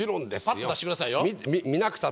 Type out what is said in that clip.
パッと出してくださいよ。